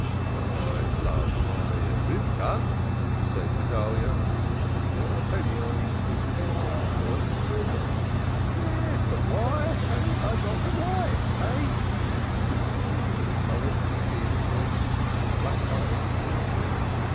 "I love my Rivkah," said Guedalyah. "A penny on each ginger beer bottle." "Yes, but why haven't I got a wife? Eh?" demanded the little poet fiercely, his black eyes glittering.